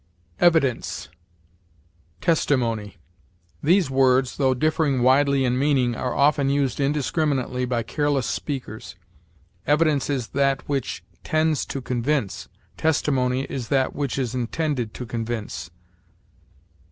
EVIDENCE TESTIMONY. These words, though differing widely in meaning, are often used indiscriminately by careless speakers. Evidence is that which tends to convince; testimony is that which is intended to convince.